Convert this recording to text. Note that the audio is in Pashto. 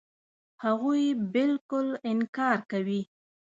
هغوی بالکل انکار کوي.